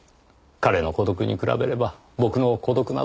“彼”の孤独に比べれば僕の孤独など。